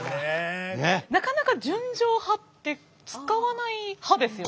なかなか「純情派」って使わない派ですよね。